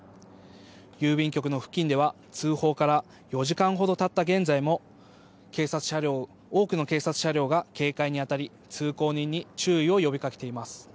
郵便局の付近では通報から４時間ほどたった現在も多くの警察車両が警戒にあたり通行人に注意を呼びかけています。